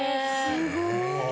すごい！